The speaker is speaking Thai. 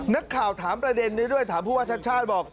นักข่าวถามประเด็นนี้ด้วยถามผู้ว่าชาติชาติบอก